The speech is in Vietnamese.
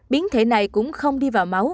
biến thể này cũng không đi vào máu